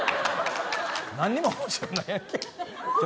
何も面白くないやんけ。